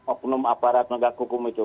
oknum aparat negara hukum itu